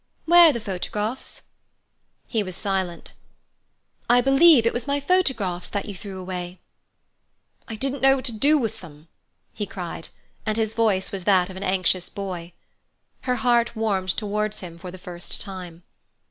"Where are the photographs?" He was silent. "I believe it was my photographs that you threw away." "I didn't know what to do with them," he cried, and his voice was that of an anxious boy. Her heart warmed towards him for the first time.